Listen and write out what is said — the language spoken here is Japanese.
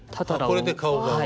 これで顔が動く。